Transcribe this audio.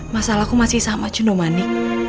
masalahku masih sama cunemani